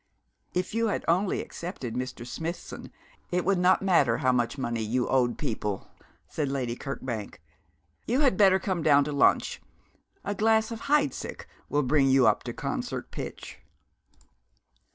'If you had only accepted Mr. Smithson it would not matter how much money you owed people,' said Lady Kirkbank. 'You had better come down to lunch. A glass of Heidseck will bring you up to concert pitch.'